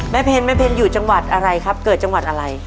เพนแม่เพนอยู่จังหวัดอะไรครับเกิดจังหวัดอะไร